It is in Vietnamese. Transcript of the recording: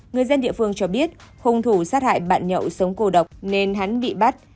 người dân địa phương cho biết hung thủ sát hại bạn nhậu sống cổ độc nên hắn bị bắt